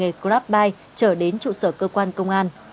hà đã làm nghề grab bike trở đến trụ sở cơ quan công an